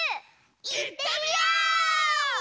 いってみよう！